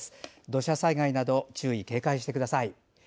土砂災害など注意・警戒してください。